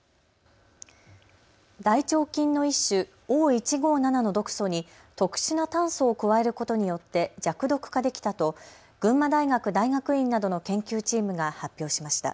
大腸菌の一種、Ｏ１５７の毒素に特殊な炭素を加えることによって弱毒化できたと群馬大学大学院などの研究チームが発表しました。